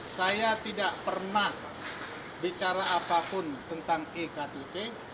saya tidak pernah bicara apapun tentang ektp